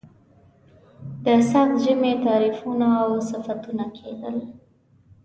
د سخت ژمي تعریفونه او صفتونه کېدل.